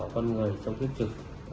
con người trong thiết trực